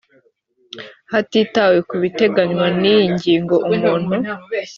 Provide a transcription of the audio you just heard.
hatitawe ku biteganywa n iyi ngingo umuntu